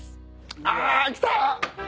あ来た。